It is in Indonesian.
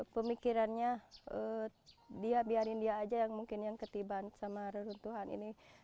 pemikirannya dia biarin dia aja yang mungkin yang ketiban sama reruntuhan ini